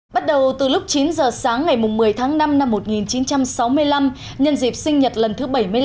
bắt đầu từ lúc chín giờ sáng ngày một mươi tháng năm năm một nghìn chín trăm sáu mươi năm nhân dịp sinh nhật lần thứ bảy mươi năm